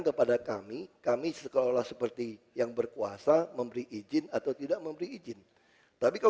kepada kami kami sekolah seperti yang berkuasa memberi izin atau tidak memberi izin tapi kalau